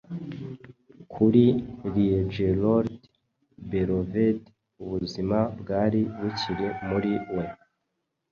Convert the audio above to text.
Kuri liegelord belovèd ubuzima bwari bukiri muri we